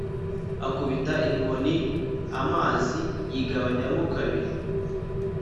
Akubita inkoni amazi yigabanyamo kabiri